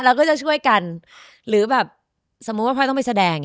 เราก็จะช่วยกันหรือแบบสมมุติว่าพ่อต้องไปแสดง